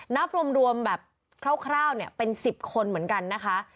นับรวมรวมแบบคร่าวคร่าวเนี่ยเป็นสิบคนเหมือนกันนะคะ